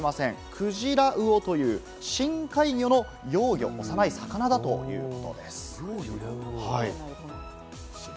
グジラウオという深海魚の幼魚、幼い魚だということです。